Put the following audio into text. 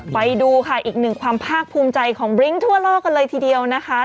ไปดูค่ะอีกหนึ่งความภาคภูมิใจของบริ้งทั่วโลกกันเลยทีเดียวนะคะ